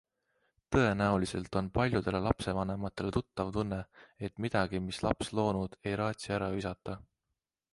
Tõenäoliselt on paljudele lapsevanematele tuttav tunne, et midagi, mis laps loonud, ei raatsi ära visata.